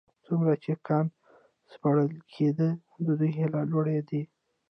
څومره چې کان سپړل کېده د دوی هيلې لوړېدې.